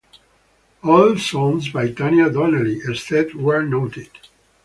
All songs by Tanya Donelly except where noted.